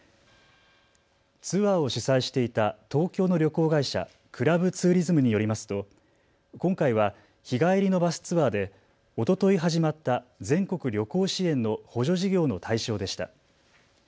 ツアーを主催していた東京の旅行会社、クラブツーリズムによりますと今回は日帰りのバスツアーでおととい始まった全国旅行支援の補助事業の対象でした。